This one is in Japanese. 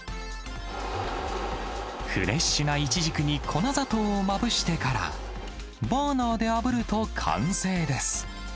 フレッシュなイチジクに粉砂糖をまぶしてから、バーナーであぶると完成です。